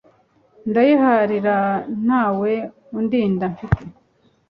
ndayiharira nta we undinda mfite